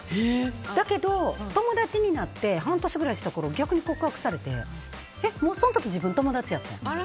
だけど友達になって半年ぐらいしたころ逆に告白されてその時自分、友達やったん。